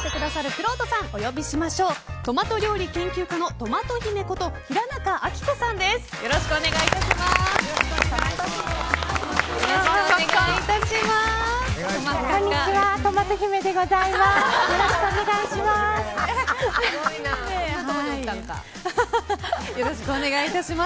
よろしくお願いします。